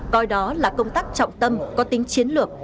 coi đó là công tác trọng tâm có tính chiến lược